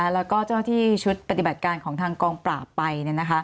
แล้วก็ที่ชุดปฏิบัติการของทางกองปราบไป